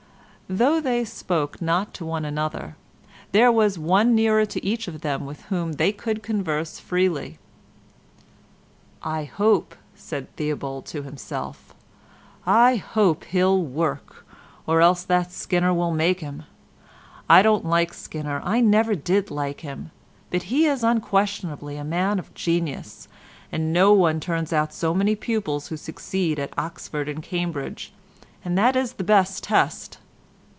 Though they spoke not to one another, there was one nearer to each of them with whom they could converse freely. "I hope," said Theobald to himself, "I hope he'll work—or else that Skinner will make him. I don't like Skinner, I never did like him, but he is unquestionably a man of genius, and no one turns out so many pupils who succeed at Oxford and Cambridge, and that is the best test.